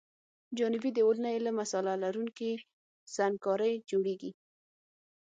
جانبي دیوالونه یې له مصالحه لرونکې سنګ کارۍ جوړیږي